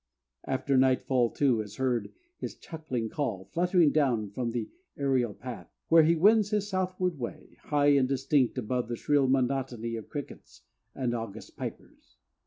After nightfall, too, is heard his chuckling call fluttering down from the aerial path, where he wends his southward way, high and distinct above the shrill monotony of crickets and August pipers.